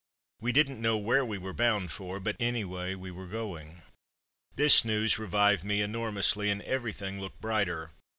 We didn't know where we were bound for, but, anyway, we were going. This news revived me enormously, and everything looked brighter.